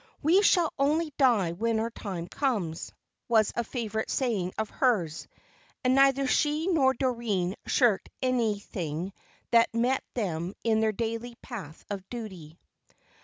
"We shall only die when our time comes," was a favourite saying of hers, and neither she nor Doreen shirked anything that met them in their daily path of duty.